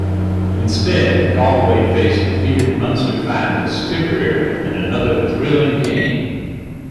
Instead Galway faced defeated Munster finalists Tipperary in another thrilling game.